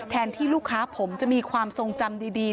ที่ลูกค้าผมจะมีความทรงจำดี